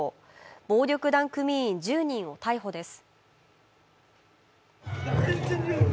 暴力団組員１０人を逮捕です。